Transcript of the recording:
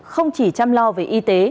không chỉ chăm lo về y tế